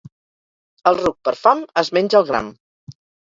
El ruc, per fam, es menja el gram.